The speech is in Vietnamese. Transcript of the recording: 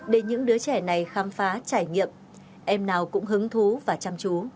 để những đứa trẻ này khám phá trải nghiệm em nào cũng hứng thú và chăm chú